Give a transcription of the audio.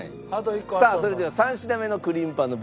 さあそれでは３品目のクリームパンのＶＴＲです。